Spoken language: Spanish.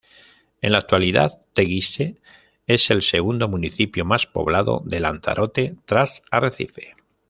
En la actualidad, Teguise es el segundo municipio más poblado de Lanzarote, tras Arrecife.